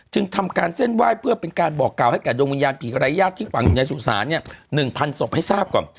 ทำการเส้นไหว้เพื่อเป็นการบอกกล่าวให้แก่ดวงวิญญาณผีรายญาติที่ฝังอยู่ในสุสานเนี่ย๑๐๐ศพให้ทราบก่อน